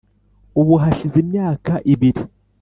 ubu hashize imyaka ibiri.